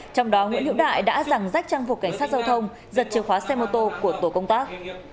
trong đó nguyễn hữu đại đã giảng rách trang phục cảnh sát giao thông giật chìa khóa xe mô tô của tổ công tác